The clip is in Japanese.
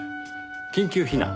緊急避難。